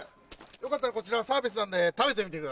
よかったらこちらサービスなんで食べてみてください。